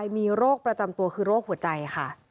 มีโรคประจำตัวคือโรคหัวใจค่ะ